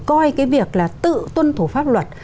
coi cái việc là tự tuân thủ pháp luật